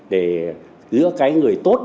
để giữa cái người tốt